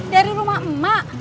dari rumah emak